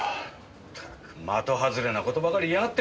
ったく的外れな事ばかり言いやがって！